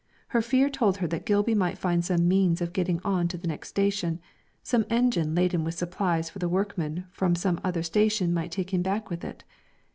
Her fear told her that Gilby might find some means of getting on to the next station, some engine laden with supplies for the workmen from the other station might take him back with it.